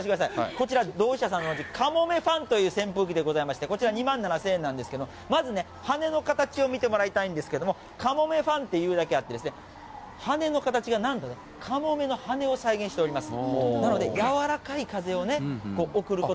こちら、ドウシシャさんのカモメファンという扇風機でございまして、こちら２万７３００円なんですけど、まずね、羽根の形を見てもらいたいんですけれども、カモメファンというだけあって、羽根の羽根がなんとカモメの羽根を再現しております。